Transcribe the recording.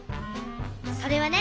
それはね